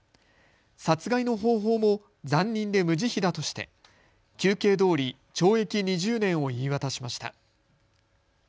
殺害の方法も残忍で無慈悲だとして求刑どおり懲役２０年を言い渡しました。